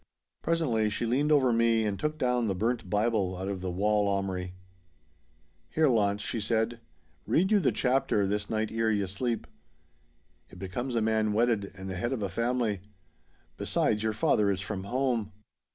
Presently she leaned over me and took down the burnt Bible out of the wall aumry. 'Here, Launce,' she said, 'read you the chapter this night ere ye sleep. It becomes a man wedded and the head of a family. Besides, your father is from home.